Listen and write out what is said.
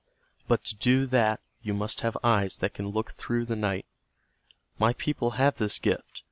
But to do that you must have eyes that can look through the night. My people have this gift.